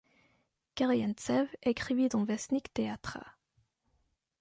Kerjentsev écrivit dans Vestnik Teatra.